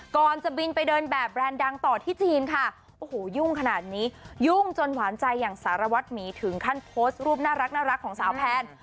ก่อนจะบินไปเดินแบบแบรนด์ดังต่อที่จีนค่ะโอ้โหยุ่งขนาดนี้ยุ่งจนหวานใจอย่างสารวัตรหมีถึงขั้นโพสต์รูปน่ารักของสาวแพน